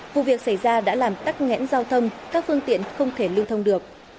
vụ việc xảy ra đã làm tắt ngẽn giao thông các phương tiện không thể lưu thông được